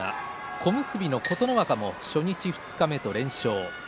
小結の琴ノ若も初日、二日目と連勝しています。